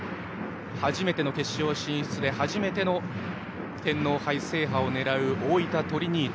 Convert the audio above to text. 初めての決勝進出で初めての天皇杯制覇を狙う大分トリニータ。